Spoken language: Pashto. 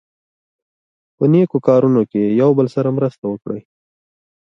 په نېکو کارونو کې یو بل سره مرسته وکړئ.